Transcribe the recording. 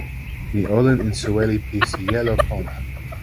mi olin e soweli pi sijelo pona.